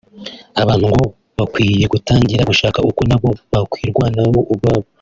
abantu ngo bakwiye gutangira gushaka uko nabo bakwirwanaho ubwabo